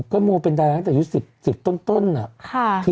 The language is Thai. ก็โมเป็นตั้งแต่ยุคสิบสิบต้นต้นอ่ะค่ะ